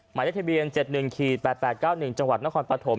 หมายเลขทะเบียน๗๑๘๘๙๑จังหวัดนครปฐม